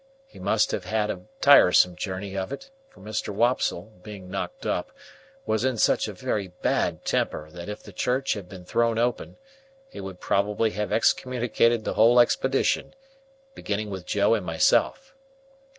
He must have had a tiresome journey of it, for Mr. Wopsle, being knocked up, was in such a very bad temper that if the Church had been thrown open, he would probably have excommunicated the whole expedition, beginning with Joe and myself.